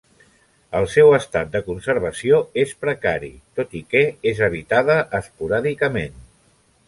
El seu estat de conservació és precari, tot i que és habitada esporàdicament.